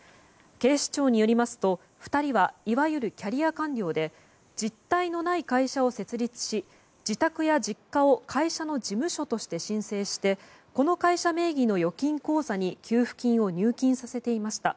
警視庁によりますと２人は、いわゆるキャリア官僚で実体のない会社を設立し自宅や実家を会社の事務所として申請してこの会社名義の預金口座に給付金を入金させていました。